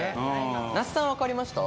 那須さんは分かりました？